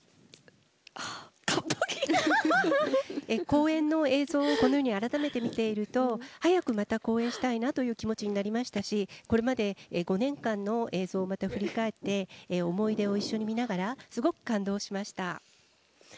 公演の映像をこのように改めて見ていると早くまた公演したいなという気持ちになりましたしこれまで５年間の映像をまた振り返って思い出を一緒に見ながらすごく感動しました。